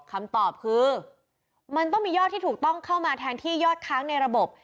คำตอบคือมันต้องมียอดที่ถูกต้องเข้ามาแทนที่ยอดค้างในระบบ